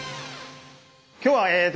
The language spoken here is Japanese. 今日はえっと